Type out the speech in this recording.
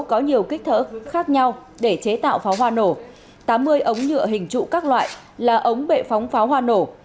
có nhiều kích thỡ khác nhau để chế tạo pháo hoa nổ tám mươi ống nhựa hình trụ các loại là ống bệ phóng pháo hoa nổ